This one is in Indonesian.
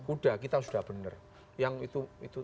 kuda kita sudah benar yang itu